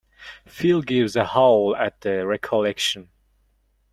Phil gives a howl at the recollection.